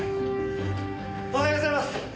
おはようございます！